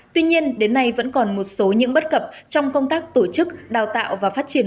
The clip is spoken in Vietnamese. tuy nhiên đến nay vẫn còn một số những bất cập trong công tác tổ chức đào tạo và phát triển